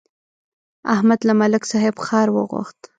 احمد له ملک صاحب خر وغوښت.